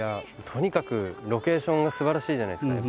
とにかくロケーションがすばらしいじゃないですか。